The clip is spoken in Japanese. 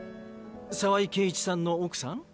澤井圭一さんの奥さん？